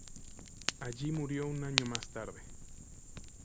Allí murió un año más tarde.